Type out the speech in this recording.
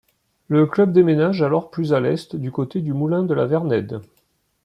Le club déménage alors plus à l'est, du côté du moulin de la Vernède.